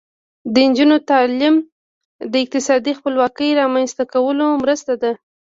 د نجونو تعلیم د اقتصادي خپلواکۍ رامنځته کولو مرسته ده.